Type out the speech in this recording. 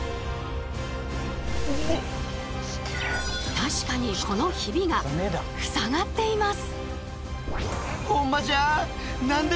確かにこのヒビがふさがっています。